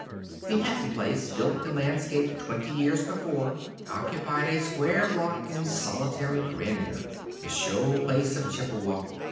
The Hatton place, built and landscaped twenty years before, occupied a square block in solitary grandeur, the show place of Chippewa.